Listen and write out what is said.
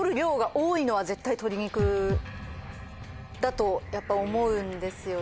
だとやっぱ思うんですよね。